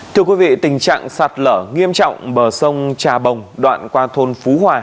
thưa quý vị tình trạng sạt lở nghiêm trọng bờ sông trà bồng đoạn qua thôn phú hòa